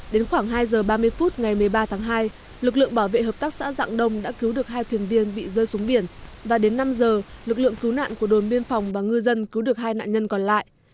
đến khoảng hai giờ ba mươi phút ngày một mươi ba tháng hai lực lượng bảo vệ hợp tác xã dạng đông đã cứu được hai thuyền viên bị rơi xuống biển và đến năm giờ lực lượng cứu nạn của đồn biên phòng và ngư dân cứu được hai nạn nhân còn lại